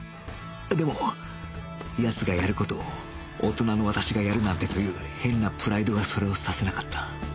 でも奴がやる事を大人の私がやるなんてという変なプライドがそれをさせなかった